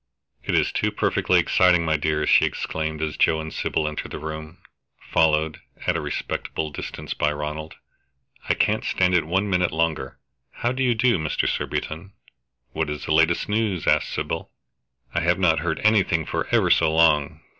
"It is too perfectly exciting, my dears," she exclaimed as Joe and Sybil entered the room, followed at a respectful distance by Ronald. "I can't stand it one minute longer! How do you do, Mr. Surbiton?" "What is the latest news?" asked Sybil. "I have not heard anything for ever so long.